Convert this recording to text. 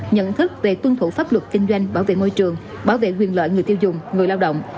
nhận thức về tuân thủ pháp luật kinh doanh bảo vệ môi trường bảo vệ quyền lợi người tiêu dùng người lao động